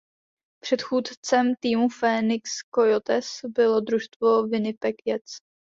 Předchůdcem týmu Phoenix Coyotes bylo družstvo Winnipeg Jets.